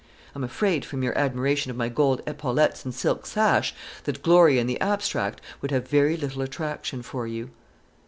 I'm afraid, from your admiration of my gold epaulettes and silk sash, that glory in the abstract would have very little attraction for you."